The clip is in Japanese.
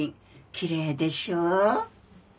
きれいでしょう？